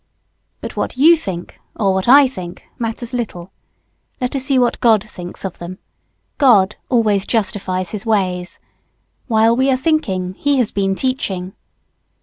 But what you "think" or what I "think" matters little. Let us see what God thinks of them. God always justifies His ways. While we are thinking, He has been teaching.